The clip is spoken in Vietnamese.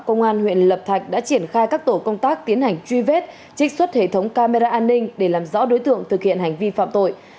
công an huyện lập thạch đã triển khai các tổ công tác tiến hành truy vết trích xuất hệ thống camera an ninh để làm rõ đối tượng thực hiện hành vi phạm tội